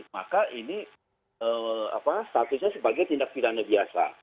maka ini statusnya sebagai tindak pidana biasa